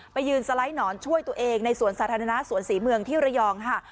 ไปยืนสไลด์หนอนช่วยตัวเองในสวนสาธารณะสวนศรีเมืองที่ระยองค่ะ